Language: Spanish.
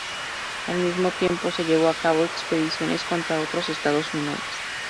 Al mismo tiempo, se llevó a cabo expediciones contra otros estados menores.